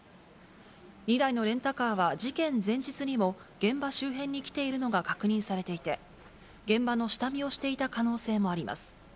２台のレンタカーは事件前日にも現場周辺に来ているのが確認されていて、現場の下見をしていた可能性もあります。